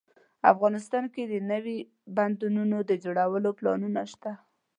افغانستان کې د نوي بندونو د جوړولو پلانونه شته